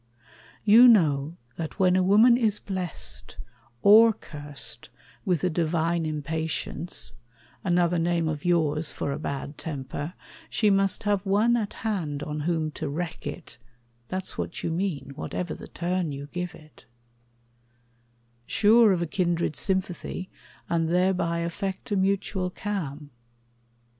You know that when a woman Is blessed, or cursed, with a divine impatience (Another name of yours for a bad temper) She must have one at hand on whom to wreak it (That's what you mean, whatever the turn you give it), Sure of a kindred sympathy, and thereby Effect a mutual calm?